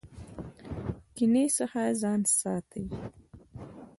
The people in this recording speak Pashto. کینې څخه ځان ساتئ